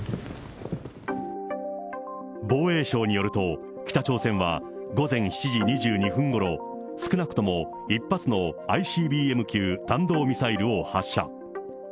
防衛省によると、北朝鮮は午前７時２２分ごろ、少なくとも１発のＩＣＢＭ級弾道ミサイルを発射。